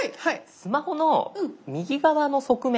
スマホの右側の側面。